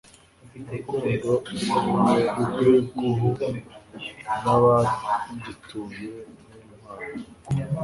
urukundo rw'iguhu n'abagituye n'intwaro